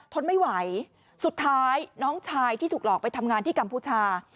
ทนไม่ไหวสุดท้ายน้องชายที่ถูกหลอกไปทำงานที่กัมพูชา